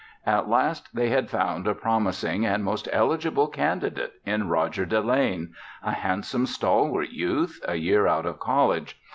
At last, they had found a promising and most eligible candidate in Roger Delane a handsome stalwart youth, a year out of college.